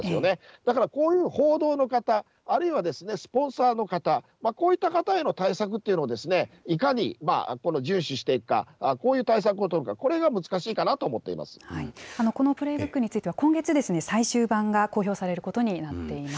だからこういう報道の方、あるいはスポンサーの方、こういった方への対策というのを、いかにこの重視していくか、こういう対策を取るか、これが難しいかなと思っこのプレーブックについては今月ですね、最終版が公表されることになっています。